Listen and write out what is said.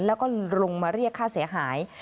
แล้วก็ลงมาเรียกค่าเสียหาย